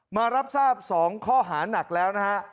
มารับทราบ๒ข้อหานักแล้วนะฮะ